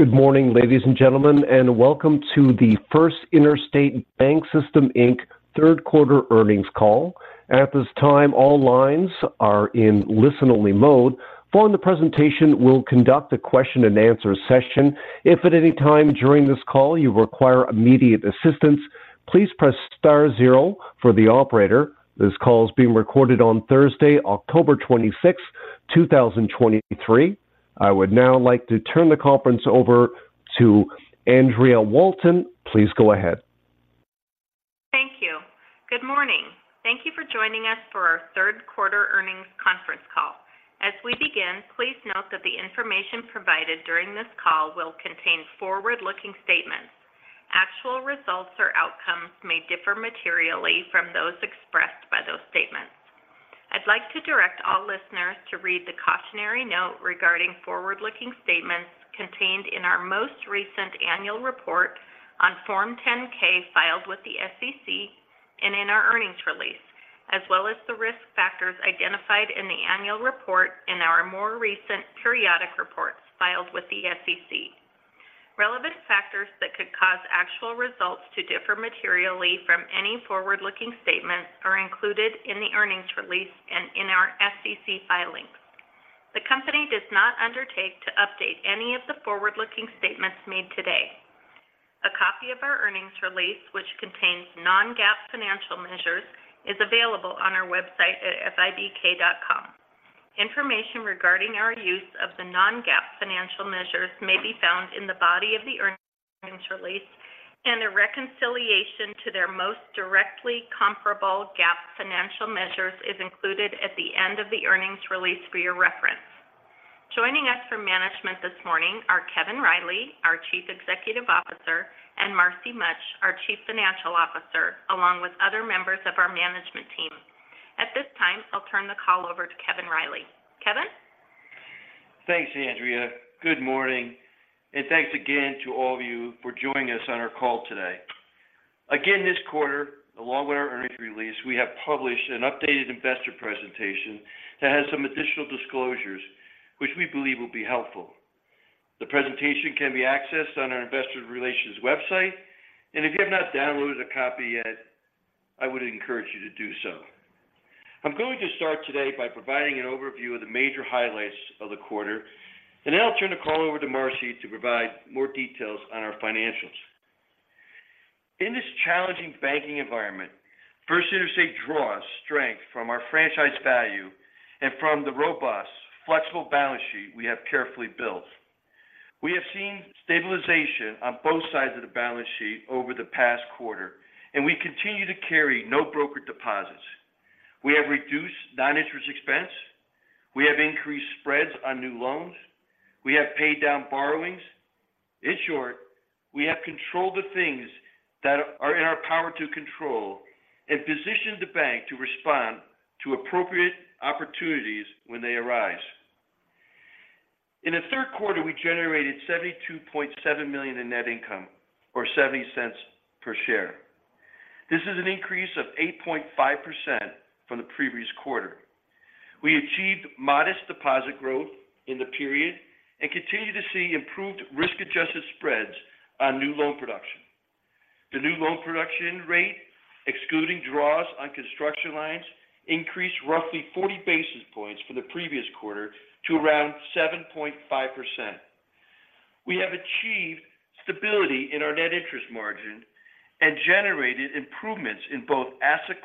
Good morning, ladies and gentlemen, and welcome to the First Interstate BancSystem Inc. Q3 earnings call. At this time, all lines are in listen-only mode. Following the presentation, we'll conduct a question and answer session. If at any time during this call you require immediate assistance, please press star zero for the operator. This call is being recorded on Thursday, October 26th, 2023. I would now like to turn the conference over to Andrea Walton. Please go ahead. Thank you. Good morning. Thank you for joining us for our Q3 earnings conference call. As we begin, please note that the information provided during this call will contain forward-looking statements. Actual results or outcomes may differ materially from those expressed by those statements. I'd like to direct all listeners to read the cautionary note regarding forward-looking statements contained in our most recent annual report on Form 10-K, filed with the SEC and in our earnings release, as well as the risk factors identified in the annual report in our more recent periodic reports filed with the SEC. Relevant factors that could cause actual results to differ materially from any forward-looking statements are included in the earnings release and in our SEC filings. The company does not undertake to update any of the forward-looking statements made today. A copy of our earnings release, which contains non-GAAP financial measures, is available on our website at fibk.com. Information regarding our use of the non-GAAP financial measures may be found in the body of the earnings release, and a reconciliation to their most directly comparable GAAP financial measures is included at the end of the earnings release for your reference. Joining us from management this morning are Kevin Riley, our Chief Executive Officer, and Marcy Mutch, our Chief Financial Officer, along with other members of our management team. At this time, I'll turn the call over to Kevin Riley. Kevin? Thanks, Andrea. Good morning, and thanks again to all of you for joining us on our call today. Again, this quarter, along with our earnings release, we have published an updated investor presentation that has some additional disclosures which we believe will be helpful. The presentation can be accessed on our investor relations website, and if you have not downloaded a copy yet, I would encourage you to do so. I'm going to start today by providing an overview of the major highlights of the quarter, and then I'll turn the call over to Marcy to provide more details on our financials. In this challenging banking environment, First Interstate draws strength from our franchise value and from the robust, flexible balance sheet we have carefully built. We have seen stabilization on both sides of the balance sheet over the past quarter, and we continue to carry no broker deposits. We have reduced non-interest expense. We have increased spreads on new loans. We have paid down borrowings. In short, we have controlled the things that are in our power to control and positioned the bank to respond to appropriate opportunities when they arise. In the Q3, we generated $72.7 million in net income or $0.70 per share. This is an increase of 8.5% from the previous quarter. We achieved modest deposit growth in the period and continue to see improved risk-adjusted spreads on new loan production. The new loan production rate, excluding draws on construction lines, increased roughly 40 basis points for the previous quarter to around 7.5%. We have achieved stability in our net interest margin and generated improvements in both asset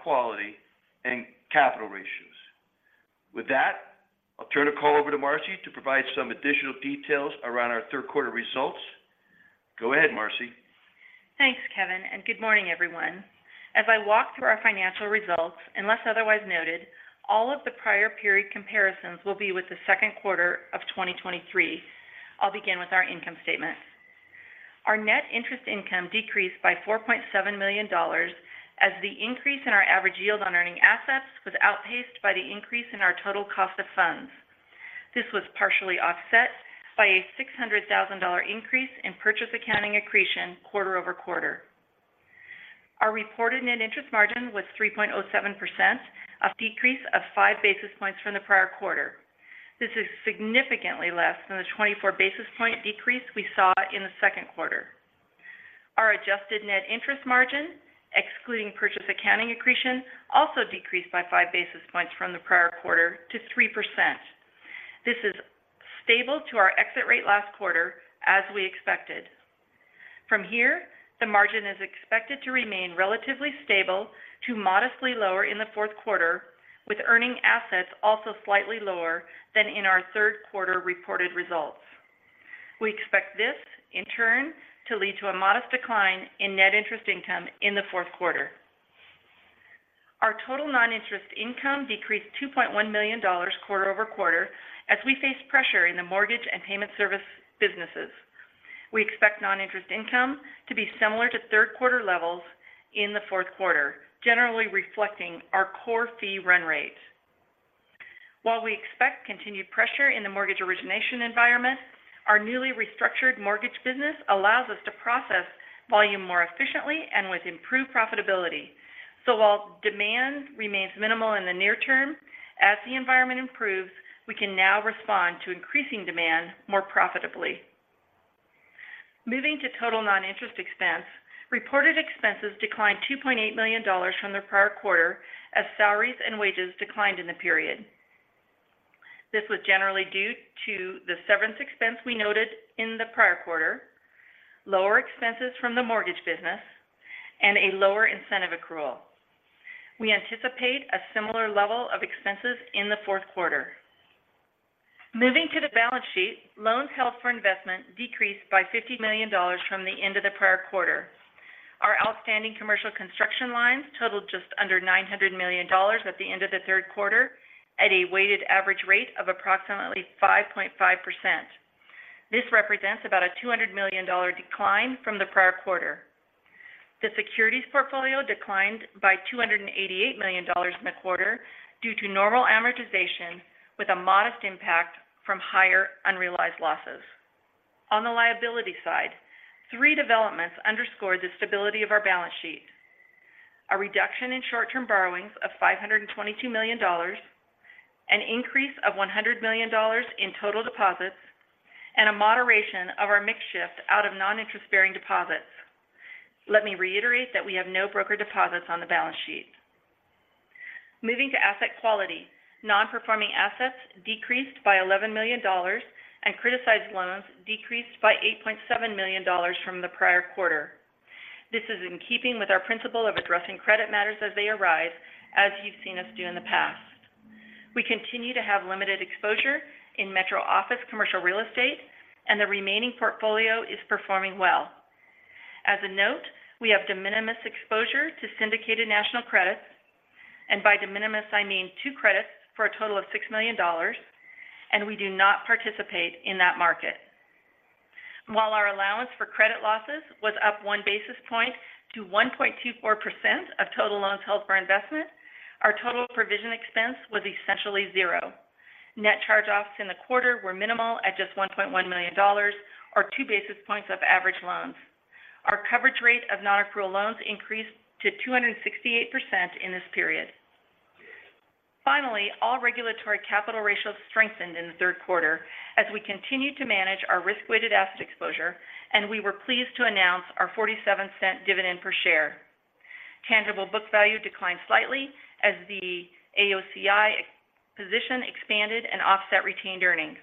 quality and capital ratios. With that, I'll turn the call over to Marcy to provide some additional details around our Q3 results. Go ahead, Marcy. Thanks, Kevin, and good morning, everyone. As I walk through our financial results, unless otherwise noted, all of the prior period comparisons will be with the Q2 of 2023. I'll begin with our income statement. Our net interest income decreased by $4.7 million as the increase in our average yield on earning assets was outpaced by the increase in our total cost of funds. This was partially offset by a $600,000 increase in purchase accounting accretion quarter over quarter. Our reported net interest margin was 3.07%, a decrease of five basis points from the prior quarter. This is significantly less than the 24 basis point decrease we saw in the Q2. Our adjusted net interest margin, excluding purchase accounting accretion, also decreased by five basis points from the prior quarter to 3%. This is stable to our exit rate last quarter, as we expected. From here, the margin is expected to remain relatively stable to modestly lower in the Q4, with earning assets also slightly lower than in our Q3 reported results. We expect this in turn to lead to a modest decline in net interest income in the Q4. Our total non-interest income decreased $2.1 million quarter-over-quarter as we face pressure in the mortgage and payment service businesses. We expect non-interest income to be similar to Q3 levels in the Q4, generally reflecting our core fee run rate. While we expect continued pressure in the mortgage origination environment, our newly restructured mortgage business allows us to process volume more efficiently and with improved profitability. So while demand remains minimal in the near term, as the environment improves, we can now respond to increasing demand more profitably. Moving to total non-interest expense, reported expenses declined $2.8 million from the prior quarter, as salaries and wages declined in the period. This was generally due to the severance expense we noted in the prior quarter, lower expenses from the mortgage business, and a lower incentive accrual. We anticipate a similar level of expenses in the Q4. Moving to the balance sheet, loans held for investment decreased by $50 million from the end of the prior quarter. Our outstanding commercial construction lines totaled just under $900 million at the end of the Q3, at a weighted average rate of approximately 5.5%. This represents about a $200 million-dollar decline from the prior quarter. The securities portfolio declined by $288 million in the quarter due to normal amortization, with a modest impact from higher unrealized losses. On the liability side, three developments underscore the stability of our balance sheet: a reduction in short-term borrowings of $522 million, an increase of $100 million in total deposits, and a moderation of our mix shift out of non-interest-bearing deposits. Let me reiterate that we have no broker deposits on the balance sheet. Moving to asset quality. Non-performing assets decreased by $11 million, and criticized loans decreased by $8.7 million from the prior quarter. This is in keeping with our principle of addressing credit matters as they arise, as you've seen us do in the past. We continue to have limited exposure in metro office commercial real estate, and the remaining portfolio is performing well. As a note, we have de minimis exposure to syndicated national credits, and by de minimis, I mean two credits for a total of $6 million, and we do not participate in that market. While our allowance for credit losses was up 1 basis point to 1.24% of total loans held for investment, our total provision expense was essentially 0. Net charge-offs in the quarter were minimal at just $1.1 million or 2 basis points of average loans. Our coverage rate of nonaccrual loans increased to 268% in this period. Finally, all regulatory capital ratios strengthened in the Q3 as we continued to manage our risk-weighted asset exposure, and we were pleased to announce our $0.47 dividend per share. Tangible book value declined slightly as the AOCI position expanded and offset retained earnings.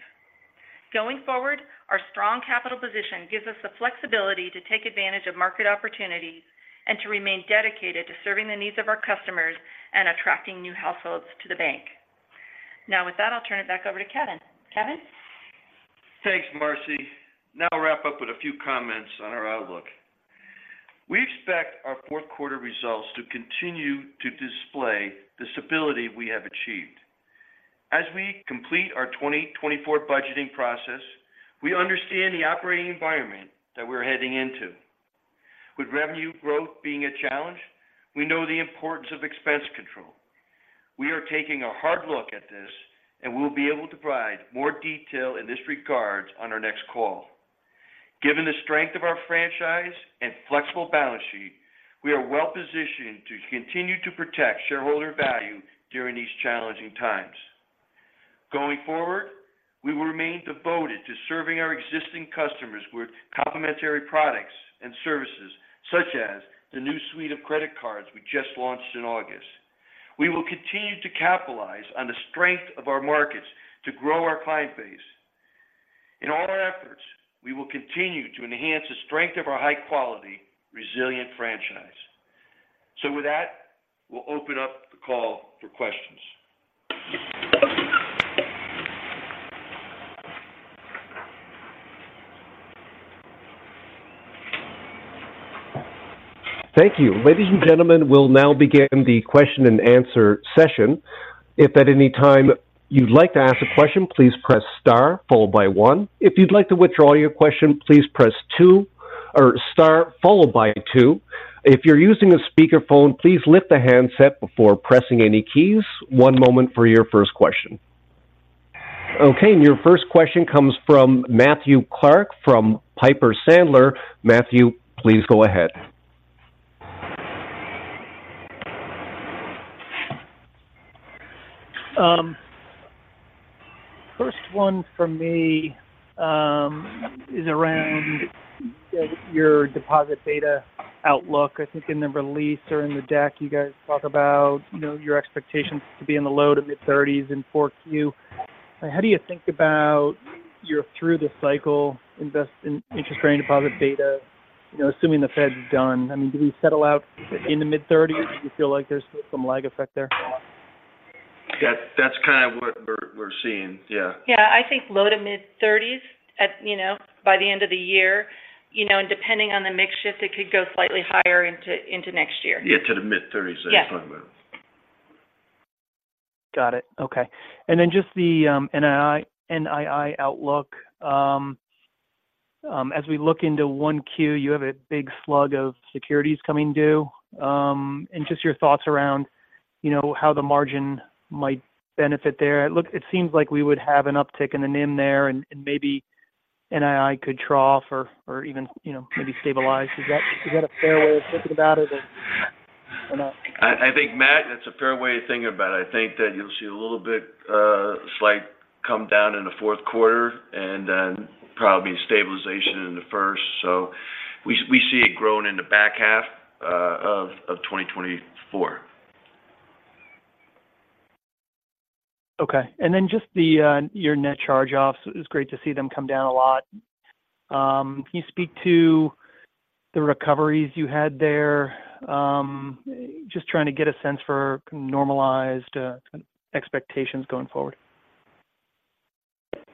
Going forward, our strong capital position gives us the flexibility to take advantage of market opportunities and to remain dedicated to serving the needs of our customers and attracting new households to the bank. Now, with that, I'll turn it back over to Kevin. Kevin? Thanks, Marcy. Now I'll wrap up with a few comments on our outlook. We expect our Q4 results to continue to display the stability we have achieved. As we complete our 2024 budgeting process, we understand the operating environment that we're heading into. With revenue growth being a challenge, we know the importance of expense control. We are taking a hard look at this, and we'll be able to provide more detail in this regard on our next call. Given the strength of our franchise and flexible balance sheet, we are well positioned to continue to protect shareholder value during these challenging times. Going forward, we will remain devoted to serving our existing customers with complementary products and services, such as the new suite of credit cards we just launched in August. We will continue to capitalize on the strength of our markets to grow our client base. In all our efforts, we will continue to enhance the strength of our high-quality, resilient franchise. So with that, we'll open up the call for questions. Thank you. Ladies and gentlemen, we'll now begin the question-and-answer session. If at any time you'd like to ask a question, please press star followed by one. If you'd like to withdraw your question, please press two or star followed by two. If you're using a speakerphone, please lift the handset before pressing any keys. One moment for your first question. Okay, and your first question comes from Matthew Clark from Piper Sandler. Matthew, please go ahead. First one from me is around your deposit data outlook. I think in the release or in the deck, you guys talk about, you know, your expectations to be in the low to mid-30s in 4Q. How do you think about your through the cycle invest in interest rate and deposit data, you know, assuming the Fed's done? I mean, do we settle out in the mid-30s, or do you feel like there's still some lag effect there? That's kind of what we're seeing. Yeah. Yeah, I think low- to mid-30s, you know, by the end of the year. You know, and depending on the mix shift, it could go slightly higher into next year. Yeah, to the mid-30s that you're talking about. Got it. Okay. And then just the, NII, NII outlook. As we look into 1Q, you have a big slug of securities coming due. And just your thoughts around, you know, how the margin might benefit there? Look, it seems like we would have an uptick in the NIM there, and, and maybe NII could trough or, or even, you know, maybe stabilize. Is that, is that a fair way of thinking about it or, or not? I think, Matt, that's a fair way of thinking about it. I think that you'll see a little bit slight come down in the Q4 and then probably stabilization in the first. So we see it growing in the back half of 2024. Okay. And then just the your net charge-offs, it's great to see them come down a lot. Can you speak to the recoveries you had there? Just trying to get a sense for normalized expectations going forward.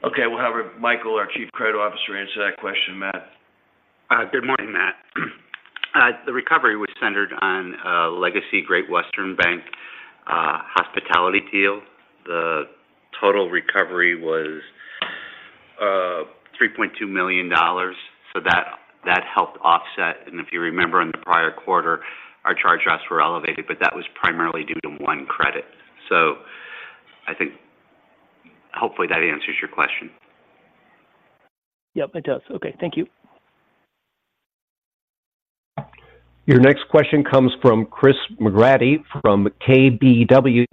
Okay. We'll have Michael, our Chief Credit Officer, answer that question, Matt. Good morning, Matt. The recovery was centered on legacy Great Western Bank hospitality deal. The total recovery was $3.2 million. So that, that helped offset, and if you remember in the prior quarter, our charge-offs were elevated, but that was primarily due to one credit. So I think hopefully that answers your question. Yep, it does. Okay. Thank you. Your next question comes from Chris McGratty, from KBW.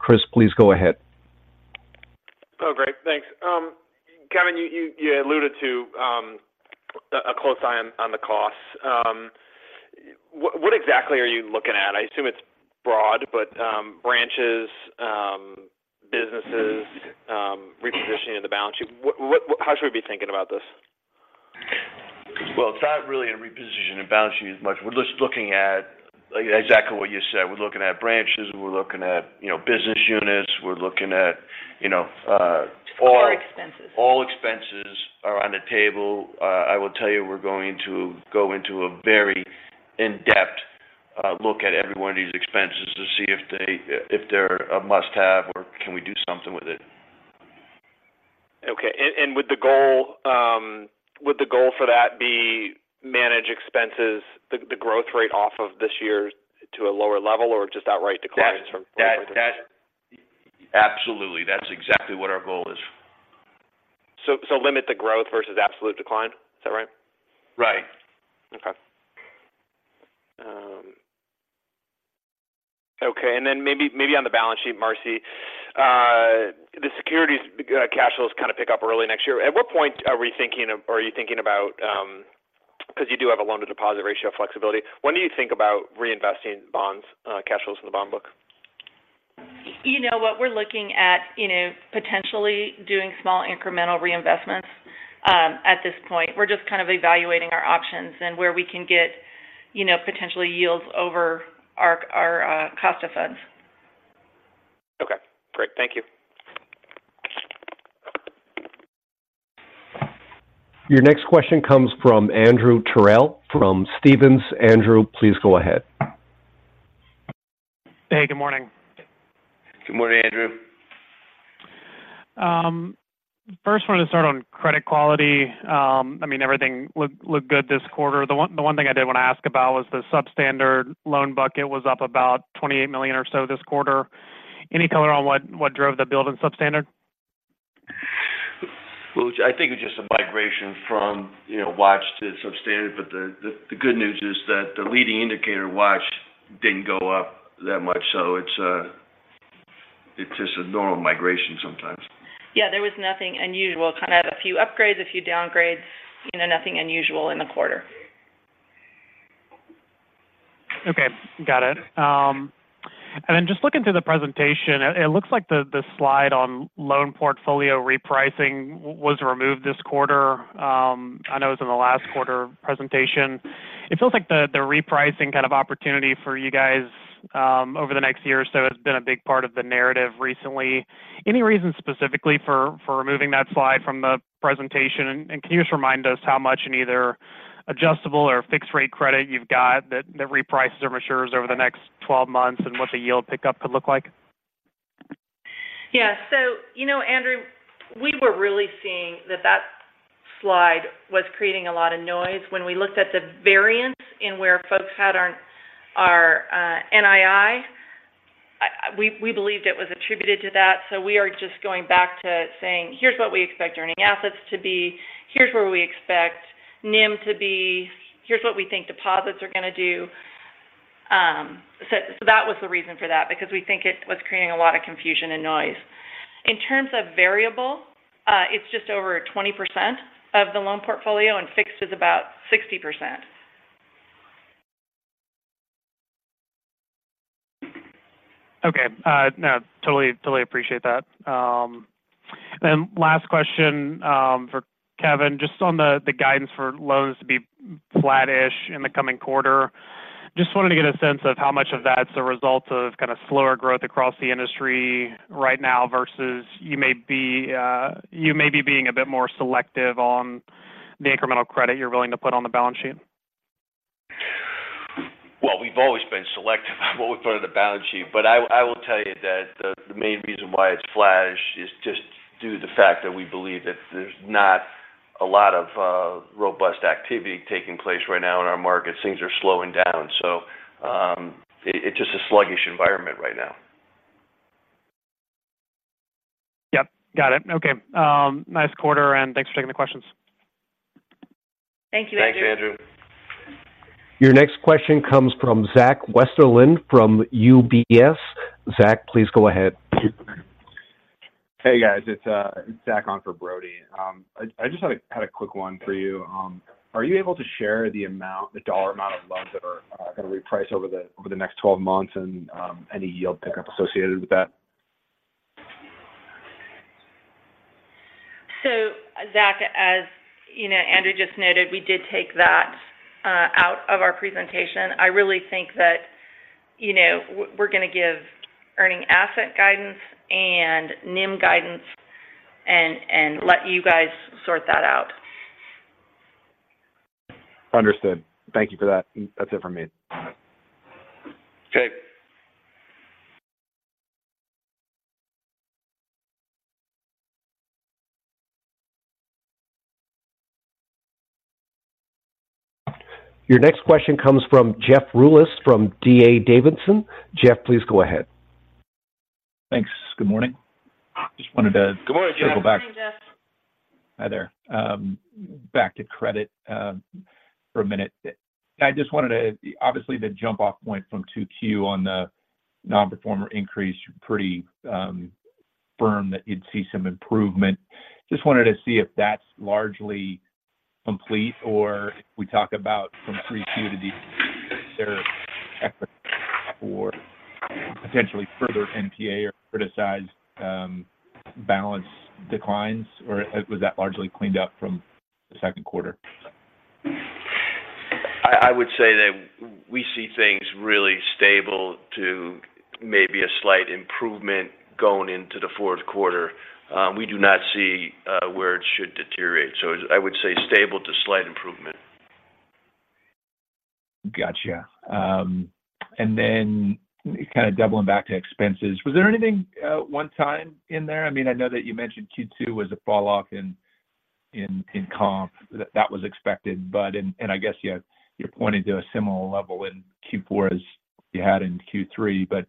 Chris, please go ahead. Oh, great. Thanks. Kevin, you alluded to a close eye on the costs. What exactly are you looking at? I assume it's broad, but branches, businesses, repositioning of the balance sheet. What-- how should we be thinking about this? Well, it's not really a reposition of balance sheet as much. We're just looking at exactly what you said. We're looking at branches, we're looking at, you know, business units. We're looking at, you know, all- All expenses. All expenses are on the table. I will tell you, we're going to go into a very in-depth look at every one of these expenses to see if they're a must-have or can we do something with it. Okay. Would the goal for that be manage expenses, the growth rate off of this year to a lower level, or just outright declines from- That. Absolutely. That's exactly what our goal is. So, limit the growth versus absolute decline? Is that right? Right. Okay. Okay, and then maybe, maybe on the balance sheet, Marcy, the securities, cash flows kind of pick up early next year. At what point are we thinking of-- are you thinking about, because you do have a loan-to-deposit ratio flexibility, when do you think about reinvesting bonds, cash flows in the bond book? You know what? We're looking at, you know, potentially doing small incremental reinvestments at this point. We're just kind of evaluating our options and where we can get, you know, potentially yields over our cost of funds. Okay, great. Thank you. Your next question comes from Andrew Terrell, from Stephens. Andrew, please go ahead. Hey, good morning. Good morning, Andrew. First wanted to start on credit quality. I mean, everything looked good this quarter. The one thing I did want to ask about was the substandard loan bucket up about $28 million or so this quarter. Any color on what drove the build in substandard? Well, I think it's just a migration from, you know, watched to substandard, but the good news is that the leading indicator watched didn't go up that much, so it's just a normal migration sometimes. Yeah, there was nothing unusual. Kind of a few upgrades, a few downgrades, you know, nothing unusual in the quarter. Okay, got it. And then just looking through the presentation, it looks like the slide on loan portfolio repricing was removed this quarter. I know it was in the last quarter presentation. It feels like the repricing kind of opportunity for you guys over the next year or so has been a big part of the narrative recently. Any reason specifically for removing that slide from the presentation? And can you just remind us how much in either adjustable or fixed-rate credit you've got that reprices or matures over the next 12 months, and what the yield pickup could look like? Yeah. So you know, Andrew, we were really seeing that that slide was creating a lot of noise. When we looked at the variance in where folks had our NII, we believed it was attributed to that. So we are just going back to saying: Here's what we expect our earning assets to be, here's where we expect NIM to be, here's what we think deposits are going to do. So that was the reason for that, because we think it was creating a lot of confusion and noise. In terms of variable, it's just over 20% of the loan portfolio, and fixed is about 60%. Okay. No, totally, totally appreciate that. And then last question for Kevin, just on the guidance for loans to be flattish in the coming quarter. Just wanted to get a sense of how much of that is a result of kind of slower growth across the industry right now, versus you may be being a bit more selective on the incremental credit you're willing to put on the balance sheet? Well, we've always been selective on what we put on the balance sheet, but I, I will tell you that the, the main reason why it's flattish is just due to the fact that we believe that there's not a lot of robust activity taking place right now in our markets. Things are slowing down, so it, it's just a sluggish environment right now. Yep, got it. Okay. Nice quarter, and thanks for taking the questions. Thank you, Andrew. Thanks, Andrew. Your next question comes from Zach Westerlind from UBS. Zach, please go ahead. Hey, guys, it's Zach on for Brody. I just had a quick one for you. Are you able to share the amount, the dollar amount of loans that are gonna reprice over the next 12 months and any yield pickup associated with that? So Zach, as you know, Andrew just noted, we did take that out of our presentation. I really think that, you know, we're gonna give earning asset guidance and NIM guidance and let you guys sort that out. Understood. Thank you for that. That's it from me. Okay. Your next question comes from Jeff Rulis from D.A. Davidson. Jeff, please go ahead. Thanks. Good morning. Just wanted to- Good morning, Jeff. Good morning, Jeff. Hi there. Back to credit for a minute. I just wanted to—obviously, the jump-off point from 2Q on the nonperforming increase, pretty firm that you'd see some improvement. Just wanted to see if that's largely complete, or if we talk about from 3Q to 4Q potentially further NPA or criticized balance declines, or was that largely cleaned up from the Q2? I would say that we see things really stable to maybe a slight improvement going into the Q4. We do not see where it should deteriorate, so I would say stable to slight improvement. Gotcha. And then kind of doubling back to expenses. Was there anything one-time in there? I mean, I know that you mentioned Q2 was a falloff in comp. That was expected, but and I guess you're pointing to a similar level in Q4 as you had in Q3. But,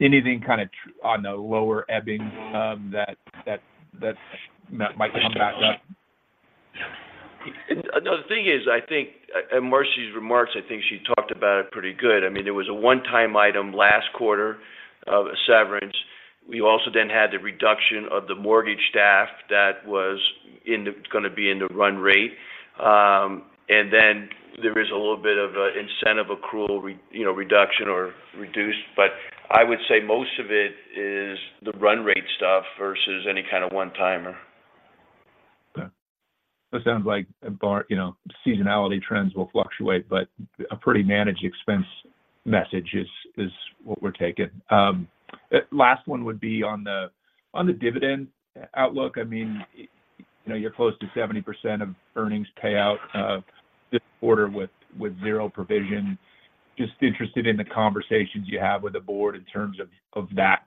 anything kind of on the lower end that might come back up? No, the thing is, I think, in Marcy's remarks, I think she talked about it pretty good. I mean, there was a one-time item last quarter of a severance. We also then had the reduction of the mortgage staff that was in the gonna be in the run rate. And then there is a little bit of a incentive accrual, re- you know, reduction or reduced. But I would say most of it is the run rate stuff versus any kind of one-timer. Okay. That sounds like a bar, you know, seasonality trends will fluctuate, but a pretty managed expense message is what we're taking. Last one would be on the dividend outlook. I mean, you know, you're close to 70% of earnings payout this quarter with 0 provision. Just interested in the conversations you have with the board in terms of that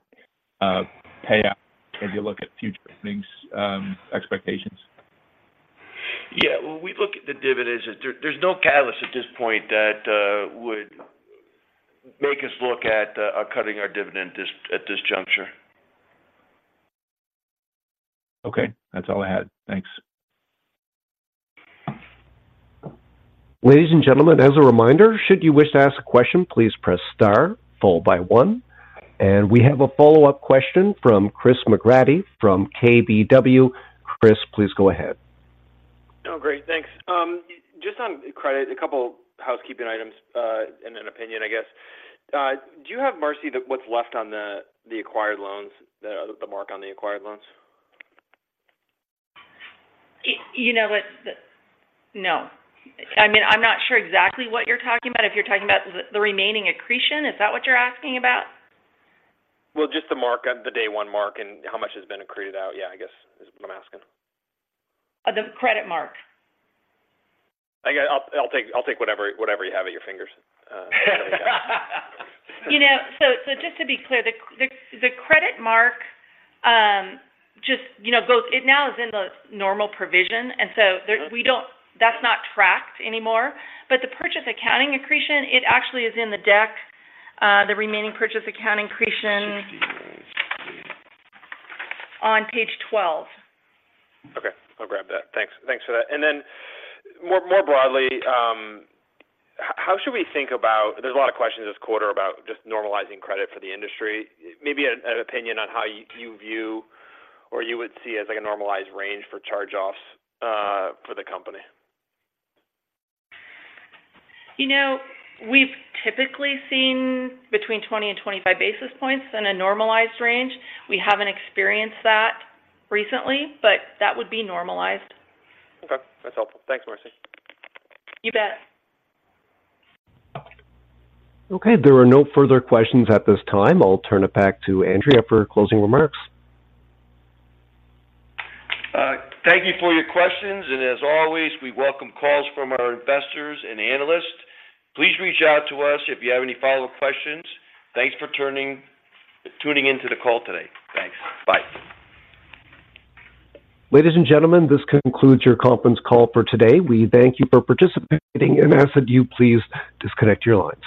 payout, as you look at future earnings expectations. Yeah, when we look at the dividends, there's no catalyst at this point that would make us look at cutting our dividend at this juncture. Okay, that's all I had. Thanks. Ladies and gentlemen, as a reminder, should you wish to ask a question, please press star followed by one. We have a follow-up question from Chris McGratty from KBW. Chris, please go ahead. Oh, great, thanks. Just on credit, a couple housekeeping items, and an opinion, I guess. Do you have, Marcy, what's left on the acquired loans, the mark on the acquired loans? You know what? No. I mean, I'm not sure exactly what you're talking about. If you're talking about the, the remaining accretion, is that what you're asking about? Well, just the mark, the day one mark and how much has been accreted out. Yeah, I guess is what I'm asking. The credit mark. I guess I'll take whatever you have at your fingertips. You know, so just to be clear, the credit mark, just, you know, both—it now is in the normal provision, and so there's—we don't—that's not tracked anymore. But the purchase accounting accretion, it actually is in the deck. The remaining purchase accounting accretion on page 12. Okay. I'll grab that. Thanks. Thanks for that. And then more broadly, how should we think about. There's a lot of questions this quarter about just normalizing credit for the industry. Maybe an opinion on how you view or you would see as, like, a normalized range for charge-offs for the company. You know, we've typically seen between 20 and 25 basis points in a normalized range. We haven't experienced that recently, but that would be normalized. Okay. That's helpful. Thanks, Marcy. You bet. Okay, there are no further questions at this time. I'll turn it back to Andrea for closing remarks. Thank you for your questions, and as always, we welcome calls from our investors and analysts. Please reach out to us if you have any follow-up questions. Thanks for tuning in to the call today. Thanks. Bye. Ladies and gentlemen, this concludes your conference call for today. We thank you for participating, and ask that you please disconnect your lines.